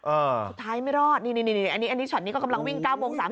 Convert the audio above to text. เออสุดท้ายไม่รอดนี่ชอตนี้ก็กำลังวิ่ง๙โมง๓๒